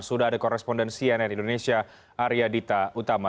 sudah ada korespondensi nn indonesia arya dita utama